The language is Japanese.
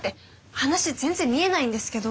話全然見えないんですけど。